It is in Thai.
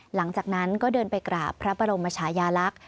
หลังจากนั้นก็เดินไปกราบพระบรมชายาลักษณ์